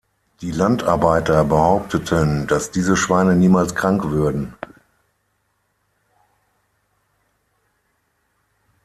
Die Landarbeiter behaupteten, dass diese Schweine niemals krank würden.